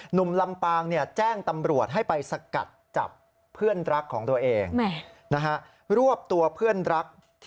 หนุ่มลำปางแจ้งตำรวจให้ไปสกัดจับเพื่อนรักของตัวเอง